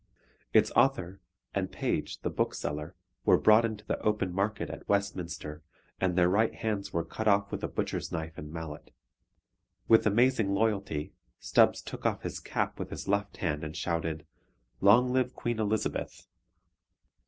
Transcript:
Its author and Page, the bookseller, were brought into the open market at Westminster, and their right hands were cut off with a butcher's knife and mallet. With amazing loyalty, Stubbs took off his cap with his left hand and shouted, "Long live Queen Elizabeth!"